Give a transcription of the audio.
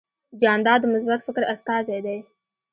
جانداد د مثبت فکر استازی دی.